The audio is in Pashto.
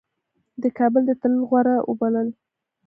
ده کابل ته تلل غوره وبلل.